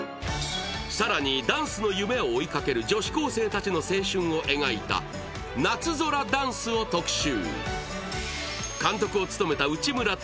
更に、ダンスの夢を追いかける女子高生たちの青春を描いた「夏空ダンス」を特集。